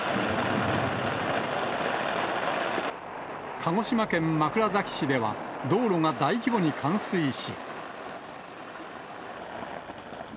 鹿児島県枕崎市では、道路が大規模に冠水し。